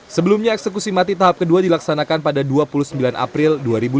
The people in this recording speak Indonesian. sebelumnya eksekusi mati tahap kedua dilaksanakan pada dua puluh sembilan april dua ribu dua puluh